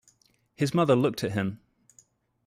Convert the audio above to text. His mother looked at him.